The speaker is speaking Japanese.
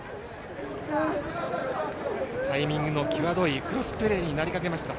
タイミングの際どいクロスプレーになりかけました